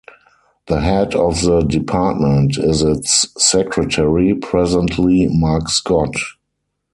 The head of the Department is its Secretary, presently Mark Scott.